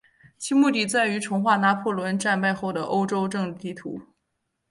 其目的在于重画拿破仑战败后的欧洲政治地图。